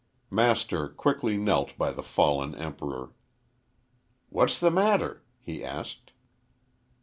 Master quickly knelt by the fallen Emperor. "What's the matter?" he asked.